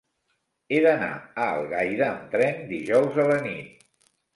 He d'anar a Algaida amb tren dijous a la nit.